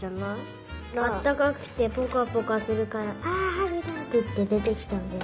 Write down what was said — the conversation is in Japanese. あったかくてポカポカするから「あはるだ」っていってでてきたんじゃない？